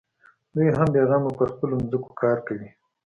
دوى هم بېغمه پر خپلو ځمکو کار کوي.